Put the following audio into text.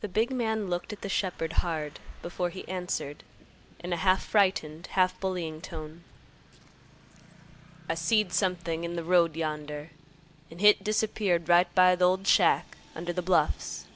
The big man looked at the shepherd hard before he answered, in a half frightened, half bullying tone, "I seed something in th' road yonder, an' hit disappeared right by th' old shack under th' bluffs."